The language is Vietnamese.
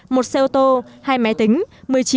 một xe ô tô hai máy tính